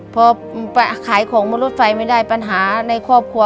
พอขายของบนรถไฟไม่ได้ปัญหาในครอบครัว